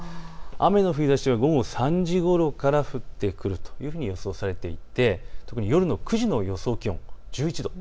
雨の降りだしは午後３時ごろから降ってくるというふうに予想されていて特に夜の９時の予想気温１１度。